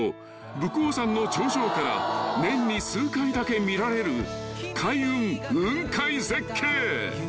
武甲山の頂上から年に数回だけ見られる開運雲海絶景］